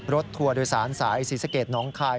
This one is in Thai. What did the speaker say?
รถทัวร์โดยสารสายศีรษะเกร็ดน้องคาย